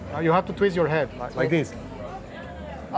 kamu harus menggulung kepala seperti ini